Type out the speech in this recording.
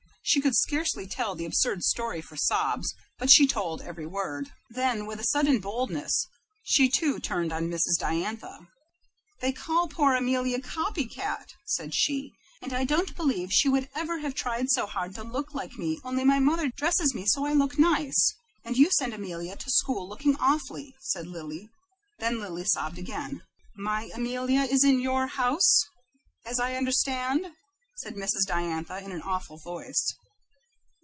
She could scarcely tell the absurd story for sobs, but she told, every word. Then, with a sudden boldness, she too turned on Mrs. Diantha. "They call poor Amelia 'CopyCat,'" said she, "and I don't believe she would ever have tried so hard to look like me only my mother dresses me so I look nice, and you send Amelia to school looking awfully." Then Lily sobbed again. "My Amelia is at your house, as I understand?" said Mrs. Diantha, in an awful voice.